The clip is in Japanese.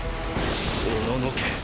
おののけ。